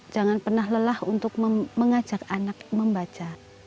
jangan pernah lelah untuk mengajak anak membaca